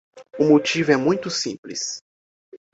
O motivo é muito simples.